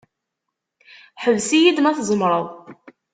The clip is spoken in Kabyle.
Ḥbes-iyi-d ma tzemreḍ.